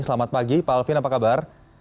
selamat pagi pak alvin apa kabar